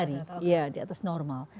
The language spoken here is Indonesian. iya di atas normal